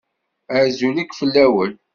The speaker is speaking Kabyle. Azul akk fell-awen.